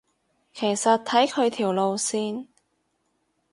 其實睇佢條路線